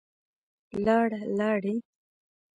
لاړه, لاړې